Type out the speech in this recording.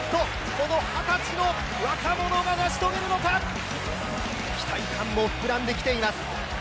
この二十歳の若者が成し遂げるのか期待感もふくらんできています